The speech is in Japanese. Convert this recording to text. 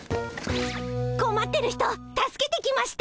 こまってる人助けてきました！